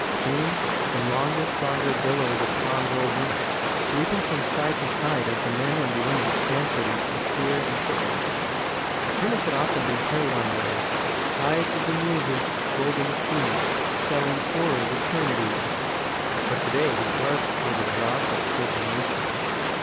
Soon the longer, stronger billows of song rolled in, sweeping from side to side as the men and the women answered in the clear antiphony. Hermas had often been carried on those Tides of music's golden sea Selling toward eternity. But to day his heart was a rock that stood motionless.